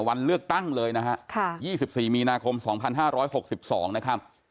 วันเลือกตั้งเลยนะฮะ๒๔มีนาคม๒๕๖๒นะครับ